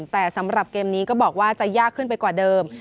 แต่สำหรับเกมนี้ก็บอกว่าจะยากขึ้นไปกว่าเดิม